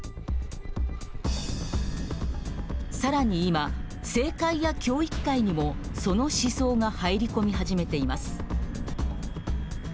さらに今政界や教育界にもその思想が入り込み始めています。